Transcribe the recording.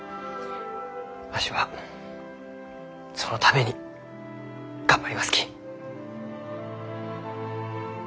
わしはそのために頑張りますき。